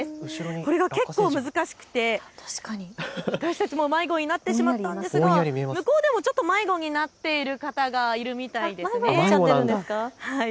これが結構難しくて私たちも迷子になってしまったんですが、向こうでも迷子になっている方がいるみたいです。